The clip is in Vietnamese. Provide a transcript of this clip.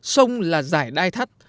sông là dải đai thắt